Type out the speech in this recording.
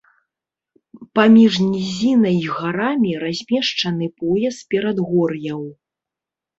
Паміж нізінай і гарамі размешчаны пояс перадгор'яў.